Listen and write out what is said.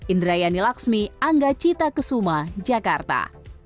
indrayani laksmi angga cita kesuma jakarta